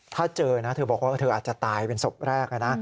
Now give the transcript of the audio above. ถ้าเจอนะเธอบอกว่าเธออาจจะตายเป็นศพแรกนะ